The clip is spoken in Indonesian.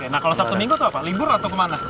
nah kalau sabtu minggu itu apa libur atau kemana